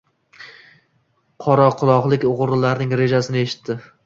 Qoraquroqlik o‘g‘rilarning rejasini eshitdi